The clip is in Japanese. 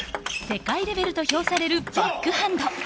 世界レベルと評されるバックハンド。